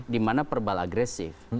dimana perbal agresif